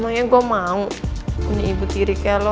emangnya gue mau ini ibu tiri kayak lo